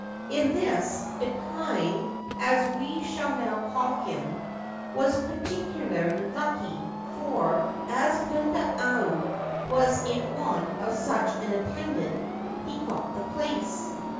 In this Ippai (as we shall now call him) was particu larly lucky, for, as Gundayu was in want of such an attendant, he got the place.